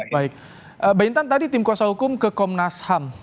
baik mbak intan tadi tim kuasa hukum ke komnas ham